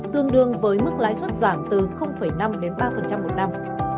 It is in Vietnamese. tương đương với mức lãi suất giảm từ năm đến ba một năm